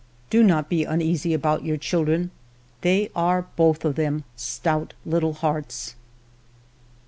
" Do not be uneasy about your children ; they are both of them stout little hearts."